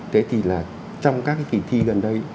thế thì là trong các cái kỳ thi gần đây